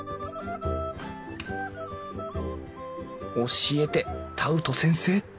教えてタウト先生！